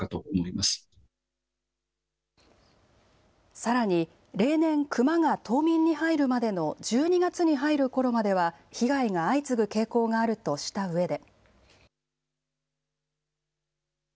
さらに、例年、クマが冬眠に入るまでの１２月に入るころまでは被害が相次ぐ傾向があるとしたうえで。